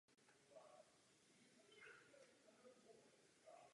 Navíc funkce nejsou absolutní.